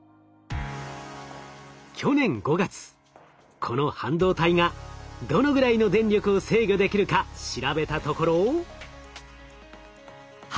去年５月この半導体がどのぐらいの電力を制御できるか調べたところ。